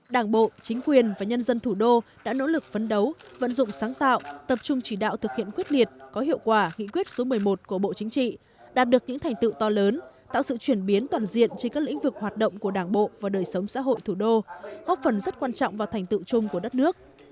đảng bộ chính quyền và nhân dân thủ đô đã nỗ lực phấn đấu vận dụng sáng tạo tập trung chỉ đạo thực hiện quyết liệt có hiệu quả nghị quyết số một mươi một của bộ chính trị đạt được những thành tựu to lớn tạo sự chuyển biến toàn diện trên các lĩnh vực hoạt động của đảng bộ và đời sống xã hội thủ đô góp phần rất quan trọng vào thành tựu chung của đất nước